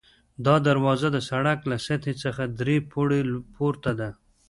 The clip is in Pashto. دا دروازه د سړک له سطحې څخه درې پوړۍ پورته ده.